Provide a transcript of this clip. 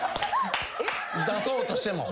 出そうとしても。